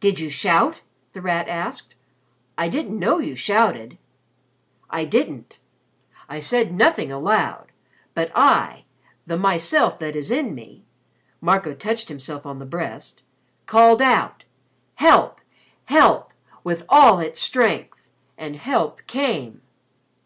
"Did you shout?" The Rat asked. "I didn't know you shouted." "I didn't. I said nothing aloud. But I the myself that is in me," Marco touched himself on the breast, "called out, 'Help! Help!' with all its strength. And help came."